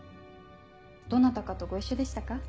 どなたかとご一緒でしたか？